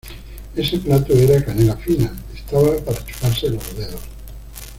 Ese plato era canela fina, estaba para chuparse los dedos